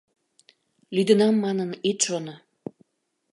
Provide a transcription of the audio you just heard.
Лӱдынам манын ит шоно.